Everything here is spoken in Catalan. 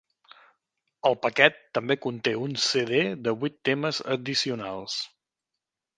El paquet també conté un CD de vuit temes addicional.